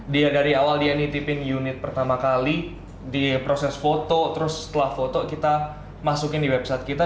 dia dari awal dia nitipin unit pertama kali di proses foto terus setelah foto kita masukin di website kita